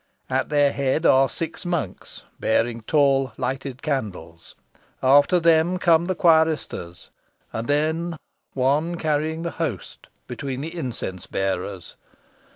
At their head are six monks bearing tall lighted candles. After them come the quiristers, and then one carrying the Host, between the incense bearers.